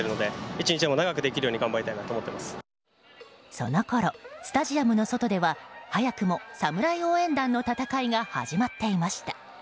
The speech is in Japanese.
そのころ、スタジオの外では早くもサムライ応援団の戦いが始まっていました。